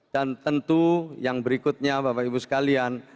dan tentu yang berikutnya bapak ibu sekalian